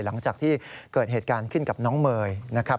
หลังจากที่เกิดเหตุการณ์ขึ้นกับน้องเมย์นะครับ